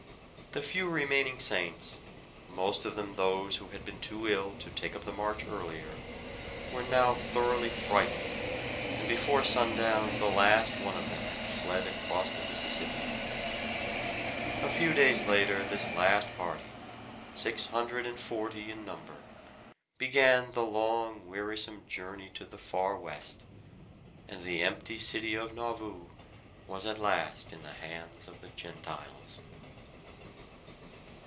The few remaining Saints, most of them those who had been too ill to take up the march earlier, were now thoroughly frightened, and before sundown the last one of them had fled across the Mississippi. A few days later this last party, six hundred and forty in number, began the long wearisome journey to the far west, and the empty city of Nauvoo was at last in the hands of the Gentiles.